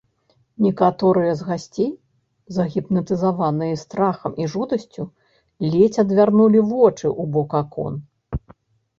Некаторыя з гасцей, загіпнатызаваныя страхам і жудасцю, ледзь адвярнулі вочы ў бок акон.